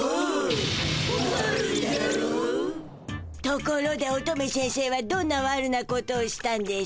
ところで乙女先生はどんなわるなことをしたんでしゅか？